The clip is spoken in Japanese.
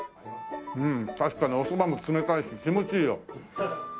うん確かにおそばも冷たいし気持ちいいよ。